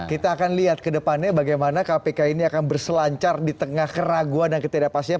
kita akan lihat ke depannya bagaimana kpk ini akan berselancar di tengah keraguan dan ketidakpastian